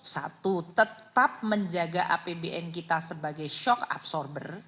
satu tetap menjaga apbn kita sebagai shock absorber